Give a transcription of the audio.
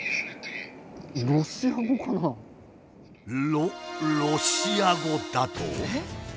ロロシア語だと？